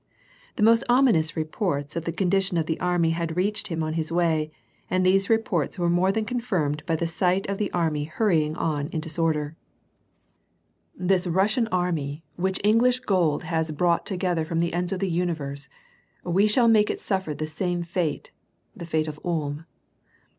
The most omi nous reports of the condition of the army had reached him on his way, and these reports were more than confirmed by the sight of the army hurrying on in disorder. WAR AND PEACE. 195 ''This Russian armjy which English gold has brought together from the ends of the universe, we shall make it suffer the same fate (the fate of Ulm)."